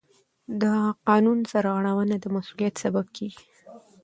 د قانون سرغړونه د مسؤلیت سبب کېږي.